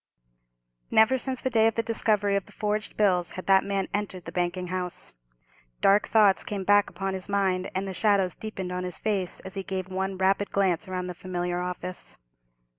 Never since the day of the discovery of the forged bills had that man entered the banking house. Dark thoughts came back upon his mind, and the shadows deepened on his face as he gave one rapid glance round the familiar office.